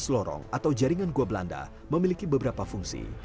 lima belas lorong atau jaringan goa belanda memiliki beberapa fungsi